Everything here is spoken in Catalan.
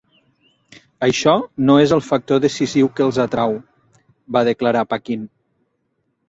Això no és el factor decisiu que els atrau, va declarar Paquin.